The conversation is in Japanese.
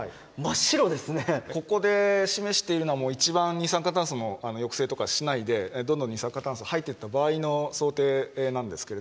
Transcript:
ここで示しているのは一番二酸化炭素の抑制とかしないでどんどん二酸化炭素吐いていった場合の想定なんですけれども。